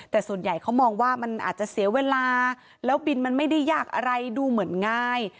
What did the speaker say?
แต่ส่วนใหญ่เขามองว่ามันอาจจะเสียเวลาแล้วบินมันไม่ได้ยากอะไรดูเหมือนง่าย